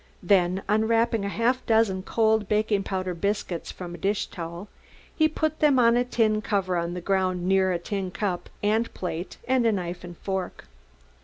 Then unwrapping a half dozen cold baking powder biscuits from a dish towel he put them on a tin cover on the ground near a tin cup and plate and a knife and fork.